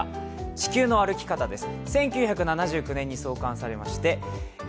「地球の歩き方」です。